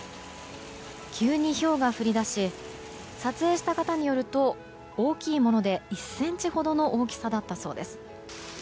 急にひょうが降り出し撮影した方によると大きいもので１ｃｍほどの大きさだったそうです。